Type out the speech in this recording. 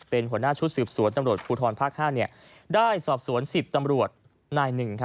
เป็นหัวหน้าชุดสืบสวนตำรวจภูทรภาค๕ได้สอบสวน๑๐ตำรวจนาย๑